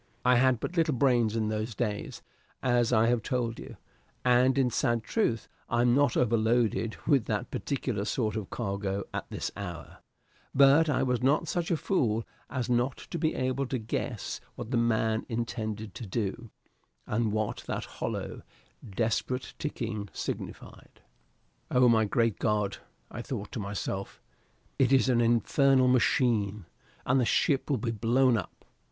I had but little brains in those days, as I have told you, and in sad truth I am not overloaded with that particular sort of cargo at this hour; but I was not such a fool as not to be able to guess what the man intended to do, and what that hollow, desperate ticking signified. Oh, my great God, I thought to myself, it is an infernal machine! and the ship will be blown up!